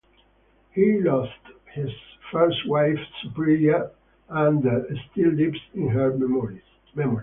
He lost his first wife Supriya and still lives in her memories.